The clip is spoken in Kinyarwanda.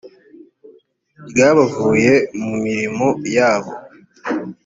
ry abavuye mu mirimo yabo